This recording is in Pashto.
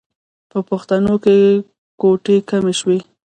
په پښتنو کې ګوتې کمې شوې.